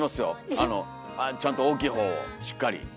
あのちゃんと大きい方をしっかり。